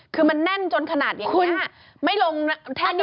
คือมันแน่นจนขนาดอย่างนี้